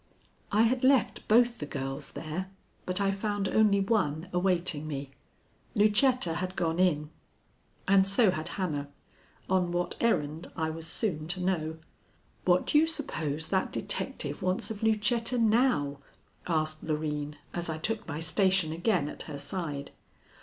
I had left both the girls there, but I found only one awaiting me. Lucetta had gone in, and so had Hannah. On what errand I was soon to know. "What do you suppose that detective wants of Lucetta now?" asked Loreen as I took my station again at her side.